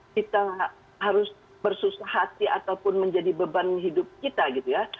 kita harus bersusah hati ataupun menjadi beban hidup kita gitu ya